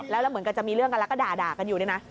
แล้วเหมือนกับจะมีเรื่องกันแล้วก็ด่ากันอยู่เนี่ยนะ